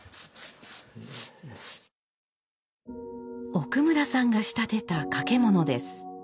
奥村さんが仕立てた掛物です。